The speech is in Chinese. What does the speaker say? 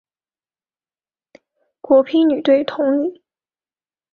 国乒女队同理。